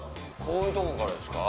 こういうとこからですか？